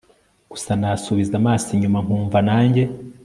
gusa nasubiza amaso inyuma nkumva nanjye